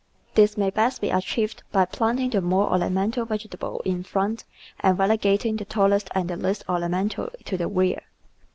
This may best be achieved by planting the more orna mental vegetables in front and relegating the tall est and the least ornamental to the rear.